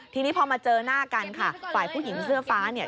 ทีนี้พอมาเจอหน้ากันค่ะฝ่ายผู้หญิงเสื้อฟ้าเนี่ย